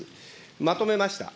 まとめました。